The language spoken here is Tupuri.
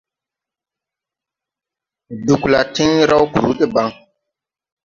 Ɗugla tiŋ raw kluu debaŋ.